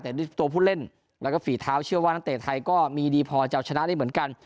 แต่ด้วยตัวผู้เล่นแล้วก็ฝีเท้าเชื่อว่านักเตะไทยก็มีดีพอจะเอาชนะได้เหมือนกัน